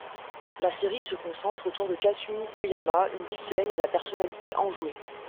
La série se concentre autour de Kasumi Toyama, une lycéenne à la personnalité enjouée.